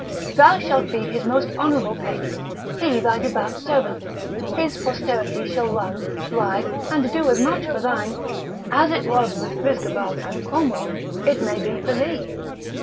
Thou shalt be his most honourable patron, he thy devout servant, his posterity shall run, ride, and do as much for thine, as it was with Frisgobald and Cromwell, it may be for thee.